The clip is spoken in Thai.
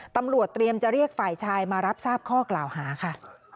ตำรวจเตรียมจะเรียกฝ่ายชายมารับทราบข้อกล่าวหาค่ะ